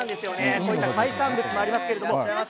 こういった海産物もあります。